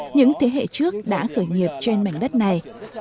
những thế hệ trước đã khởi nghiệp trên mảnh đất này